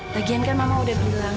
bagian kan mama udah bilang